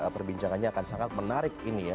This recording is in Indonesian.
perbincangannya akan sangat menarik ini ya